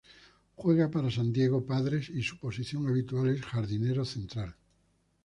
Juega para San Diego Padres y su posición habitual es jardinero central.